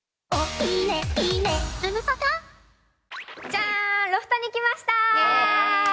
じゃーん、ロフトに来ました。